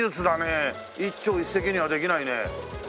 一朝一夕にはできないね。